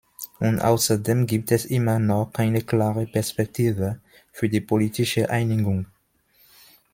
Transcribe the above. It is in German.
Und außerdem gibt es immer noch keine klare Perspektive für die politische Einigung.